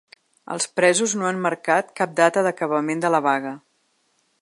Els presos no han marcat cap data d’acabament de la vaga.